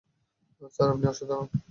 Sir, আপনি অসাধারণ।